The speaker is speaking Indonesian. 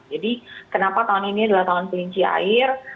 jadi kenapa tahun ini adalah tahun kelinci air